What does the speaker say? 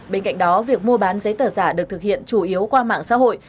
bên cạnh đó việc mua bán giấy tờ giả được thực hiện chủ yếu qua mạng xã hội